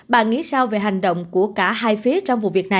bà nghĩ sao về hành động của cả hai phía trong vụ việc này